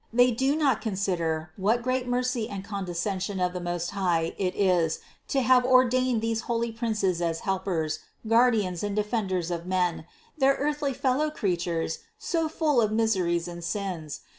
They do not consider, what great mercy and condescension of the Most High it is to have or dained these holy princes as helpers, guardians and de fenders of men, their earthly fellow creatures so full of miseries and sins.